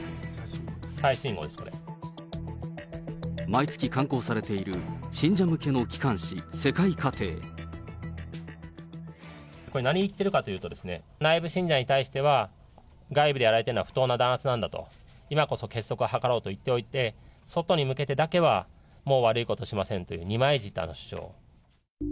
最新号です、毎月刊行されている、これ、何言ってるかというとですね、内部信者に対しては外部でやられてるのは不当な弾圧なんだと、今こそ結束を図ろうと言っておいて、外に向けてだけは、もう悪いことはしませんという二枚舌の主張。